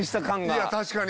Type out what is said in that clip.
いや確かに。